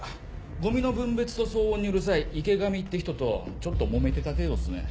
ゴミの分別と騒音にうるさい池上って人とちょっともめてた程度っすね。